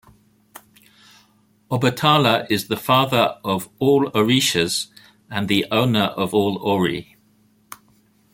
Obatala is the father of all Orishas and the owner of all ori.